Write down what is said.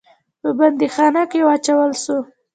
په بندیخانه کې واچول سو.